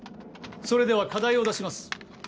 それでは課題を出します。